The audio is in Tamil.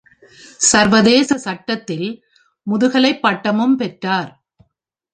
சர்வதேச சட்டத்தில் முதுகலை பட்டமும் பெற்றார்.